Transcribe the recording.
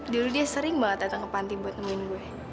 dulu dia sering banget datang ke panti buat nemuin gue